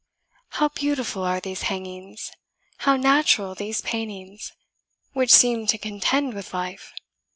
"How beautiful are these hangings! How natural these paintings, which seem to contend with life!